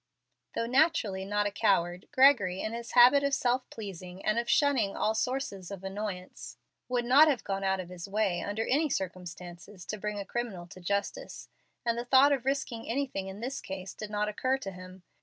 Though naturally not a coward, Gregory, in his habit of self pleasing and of shunning all sources of annoyance, would not have gone out of his way under any circumstances to bring a criminal to justice, and the thought of risking anything in this case did not occur to him.